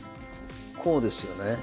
こうですよね？